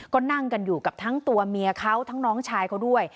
ก็นั่งกันอยู่กับทั้งตัวเมียเขาทั้งน้องชายเขาด้วย